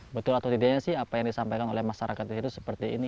betul atau tidaknya sih apa yang disampaikan oleh masyarakat di situ seperti ini